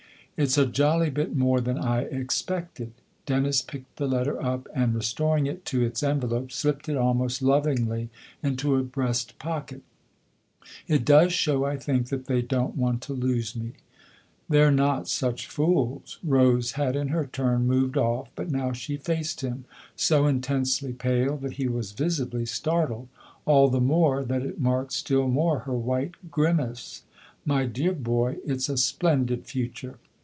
" It's a jolly bit more than I expected." Dennis picked the letter up and, restoring it to its en velope, slipped it almost lovingly into a breast pocket. " It does show, I think, that they don't want to lose me." E 66 THE OTHER HOUSE "They're not such fools!" Rose had in her turn moved off, but now she faced him, so intensely pale that he was visibly startled ; all the more that it marked still more her white grimace. " My dear boy, it's a splendid future."